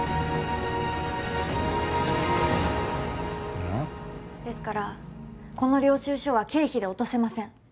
あぁ？ですからこの領収書は経費で落とせません。